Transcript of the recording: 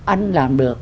anh làm được